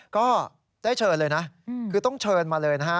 ก็ได้เชิญเลยนะคือต้องเชิญมาเลยนะฮะ